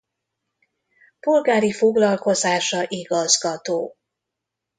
Polgári foglalkozása igazgató.